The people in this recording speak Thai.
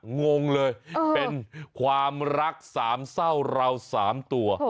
งงเลยเป็นความรักสามเศร้าเรา๓ตัว